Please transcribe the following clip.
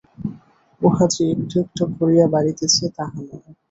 উহা যে একটু একটু করিয়া বাড়িতেছে, তাহা নয়।